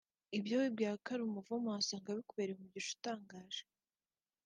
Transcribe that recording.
Ibyo wibwira ko ari umuvumo wasanga bikubereye umugisha utangaje